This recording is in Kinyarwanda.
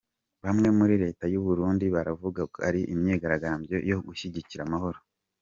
Bamwe muri Leta y’u Burundi baravuga ko ari imyigaragambyo yo gushyigikira amahoro.